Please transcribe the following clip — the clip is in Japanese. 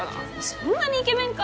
そんなにイケメンか？